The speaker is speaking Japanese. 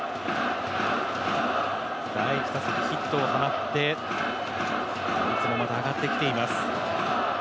第１打席ヒットを放って打率もまた上がってきています。